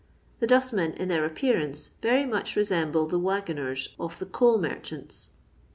The dustmen, in their appearance, very mncb resemble the waggoners of the coal merchants.